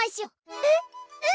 えっ？